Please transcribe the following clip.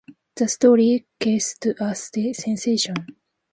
The story caused a sensation.